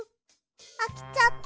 あきちゃった。